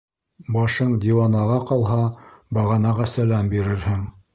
Башың диуанаға ҡалһа, бағанаға сәләм бирерһең.